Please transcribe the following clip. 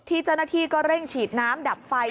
เจ้าหน้าที่ก็เร่งฉีดน้ำดับไฟ